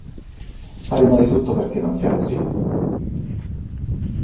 Faremo di tutto perché non sia così".